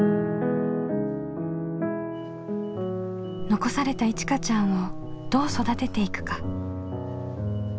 残されたいちかちゃんをどう育てていくか。